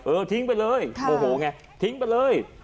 ทิ้งไปเลยโมโหไงทิ้งไปเลย